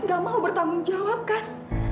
gak mau bertanggung jawab kan